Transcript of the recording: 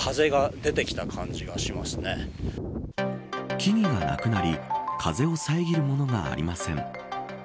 木々がなくなり風を遮るものがありません。